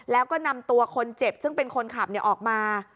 แล้วก็นำตัวคนเจ็บซึ่งเป็นคนขับออกมา